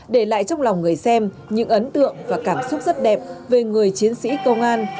để lại trong lòng người xem những ấn tượng và cảm xúc rất đẹp về người chiến sĩ công an